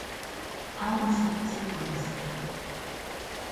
Alma satte sig på en sten.